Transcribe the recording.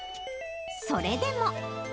それでも。